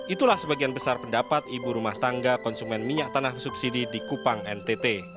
itulah sebagian besar pendapat ibu rumah tangga konsumen minyak tanah subsidi di kupang ntt